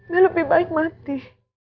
dia lebih baik mati